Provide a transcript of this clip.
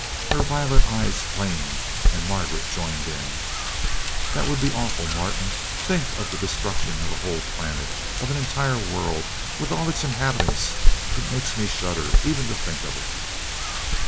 Her violet eyes flamed, and Margaret joined in: "That would be awful, Martin. Think of the destruction of a whole planet of an entire world with all its inhabitants! It makes me shudder, even to think of it."